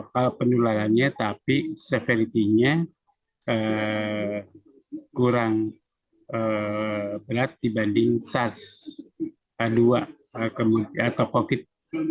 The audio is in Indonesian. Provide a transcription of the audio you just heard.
kalau penularannya tapi seferitinya kurang berat dibanding sars cov dua atau covid sembilan belas